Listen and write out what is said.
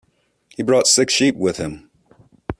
He brought six sheep with him.